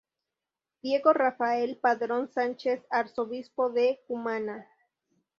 Diego Rafael Padrón Sánchez, Arzobispo de Cumaná.